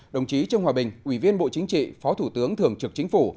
đồng chí trương hòa bình ủy viên bộ chính trị phó thủ tướng thường trực chính phủ